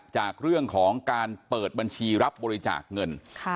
จากเรื่องของการเปิดบัญชีรับบริจาคเงิน